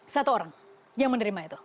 satu orang yang menerima itu